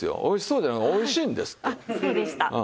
おいしそうじゃないおいしいんですって！